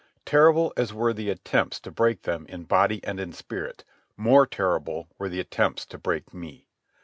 Terrible as were the attempts to break them in body and in spirit, more terrible were the attempts to break me.